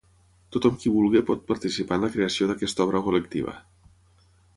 Tothom qui vulgui pot participar en la creació d’aquesta obra col·lectiva.